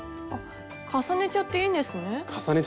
重ねちゃっていいんですね？